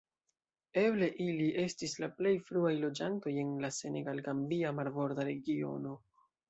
Eble ili estis la plej fruaj loĝantoj en la senegal-gambia marborda regiono.